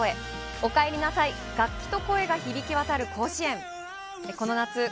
おかえりなさい、楽器と声が響き渡る甲子園。